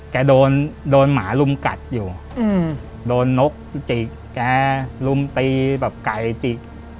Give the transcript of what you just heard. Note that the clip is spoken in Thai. แกโดนโดนหมาลุมกัดอยู่โดนนกจิกแกลุมตีแบบไก่จิก